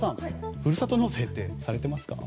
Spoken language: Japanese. ふるさと納税されてますか？